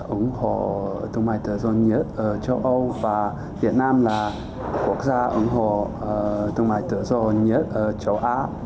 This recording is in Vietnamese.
ủng hộ thương mại tự do nhất ở châu âu và việt nam là quốc gia ủng hộ thương mại tự do nhất ở châu á